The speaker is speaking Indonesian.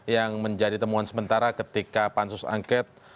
yang menjadi temuan sementara ketika pansus angket